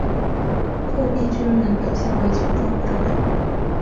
厚壁菌门表现为球状或者杆状。